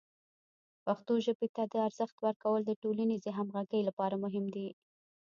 پښتو ژبې ته د ارزښت ورکول د ټولنیزې همغږۍ لپاره مهم دی.